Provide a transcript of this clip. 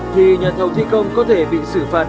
thì nhà thầu thi công có thể bị xử phạt